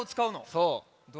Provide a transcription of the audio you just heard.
そう。